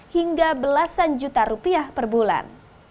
hingga belasan juta rupiah per bulan